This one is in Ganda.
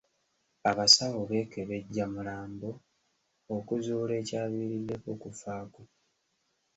Abasawo beekebejja mulambo okuzuula ekyaviiriddeko okufa kwe.